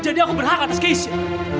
jadi aku berhak atas keisha